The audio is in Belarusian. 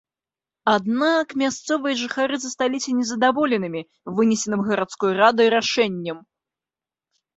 Аднак мясцовыя жыхары засталіся незадаволенымі вынесеным гарадской радай рашэннем.